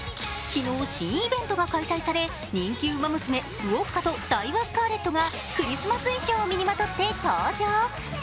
昨日新イベントが開催され人気ウマ娘ウオッカとダイワスカーレットがクリスマス衣装を身にまとって登場。